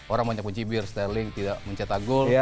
orang banyak pun cibir sterling tidak mencetak gol